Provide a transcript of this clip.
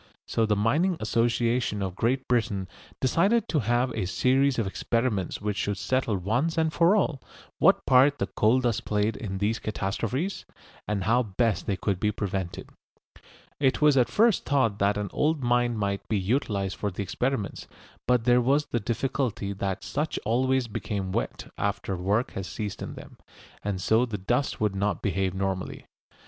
So the Mining Association of Great Britain decided to have a series of experiments which should settle once and for all what part the coal dust played in these catastrophes, and how best they could be prevented. It was at first thought that an old mine might be utilised for the experiments, but there was the difficulty that such always become wet after work has ceased in them, and so the dust would not behave normally.